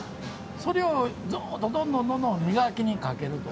それをずーっと、どんどんどんどん磨きにかけると。